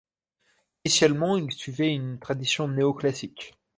Initialement, il suivait une tradition néoclassique.